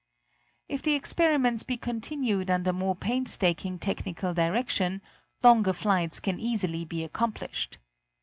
If the experiments be continued under more painstaking technical direction, longer flights can easily be accomplished.